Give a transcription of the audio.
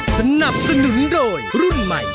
สนับสนุนโดยรุ่นใหม่